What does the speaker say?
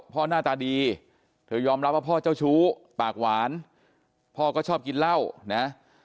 หน้าตาดีเธอยอมรับว่าพ่อเจ้าชู้ปากหวานพ่อก็ชอบกินเหล้านะ